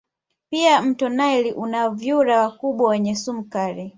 Pia mto naili una vyura wakubwa wenye sumu kali